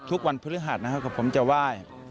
ทุกวันพฤหัสนะครับกับผมจะไหว้